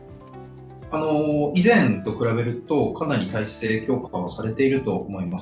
以前と比べるとかなり体制強化はされていると思います。